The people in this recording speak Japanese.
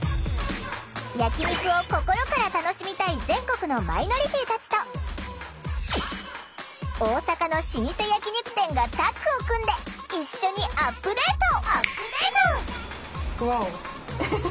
焼き肉を心から楽しみたい全国のマイノリティーたちと大阪の老舗焼き肉店がタッグを組んで一緒にアップデート！